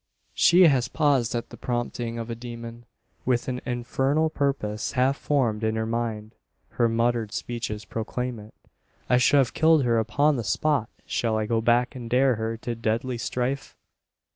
She has paused at the prompting of a demon with an infernal purpose half formed in her mind. Her muttered speeches proclaim it. "I should have killed her upon the spot! Shall I go back, and dare her to deadly strife?"